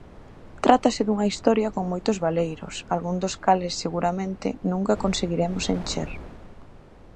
Trátase dunha historia con moitos baleiros, algúns dos cales seguramente nunca conseguiremos encher.